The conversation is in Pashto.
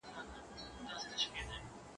سپینه ږیره سپین غاښونه مسېدلی.